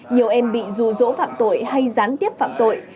nhiều em bị dù rỗ phạm tội hay gián tiếp phạm tội